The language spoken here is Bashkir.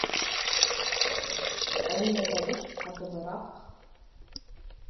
Әллә бәлеш ҡатыбыраҡ...